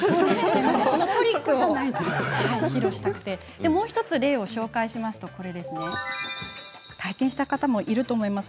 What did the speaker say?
そのトリックを披露したくてもう１つ例を紹介しますと体験した方もいると思います。